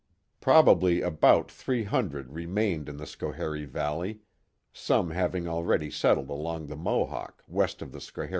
Probably about three hundred remained in the Schoharie Valley, some having already settled along the Mohawk, west of Schoharie River.